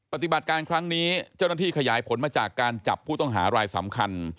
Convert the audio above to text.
ปฏิบัติการครั้งนี้เจ้าหน้าที่ขยายผลมาจากการจับผู้ต้องหารายสำคัญ